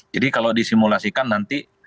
jadi kalau disimulasikan nanti